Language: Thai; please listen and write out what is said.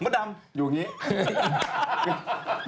พอไม่ใช่มีบาทเขาอู้หมด่ำอยู่อย่างนี้